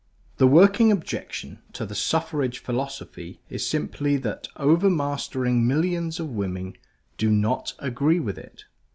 The working objection to the Suffragette philosophy is simply that overmastering millions of women do not agree with it.